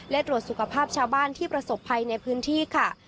และตรวจสุขภาพชาวบ้านที่ประสบภัยในพื้นที่ค่ะ